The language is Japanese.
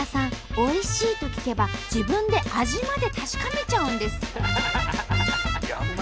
「おいしい」と聞けば自分で味まで確かめちゃうんです。